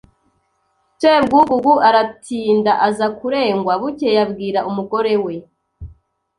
Sebwugugu aratinda aza kurengwa. Bukeye abwira umugore we